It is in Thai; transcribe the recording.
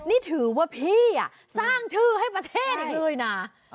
นี่ถือว่าพี่สร้างชื่อให้ประเทศอีกเลยนะ